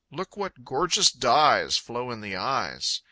Look, what gorgeous dyes Flow in the eyes!